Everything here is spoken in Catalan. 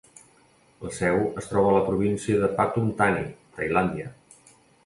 La seu es troba a la província de Pathum Thani, Tailàndia.